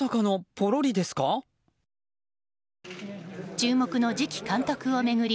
注目の次期監督を巡り